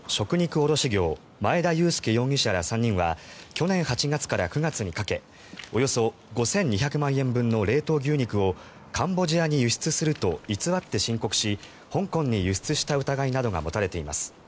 卸業前田裕介容疑者ら３人は去年８月から９月にかけおよそ５２００万円の冷凍牛肉をカンボジアに輸出すると偽って申告し香港に輸出した疑いなどが持たれています。